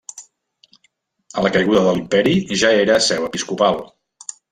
A la caiguda de l'imperi ja era seu episcopal.